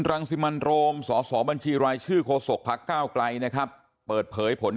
รังสิมันโรมสสบัญชีรายชื่อโฆษกพักก้าวไกลนะครับเปิดเผยผล